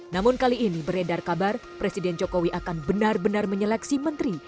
namun kali ini beredar kabar presiden jokowi akan benar benar menyeleksi menteri